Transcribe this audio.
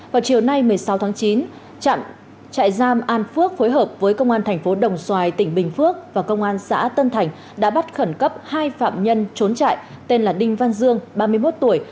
vào chiều nay một mươi sáu tháng chín trạm giam an phước phối hợp với công an thành phố đồng xoài tỉnh bình phước và công an xã tân thành đã bắt khẩn cấp hai phạm nhân trốn trại tên là đinh văn dương ba mươi một tuổi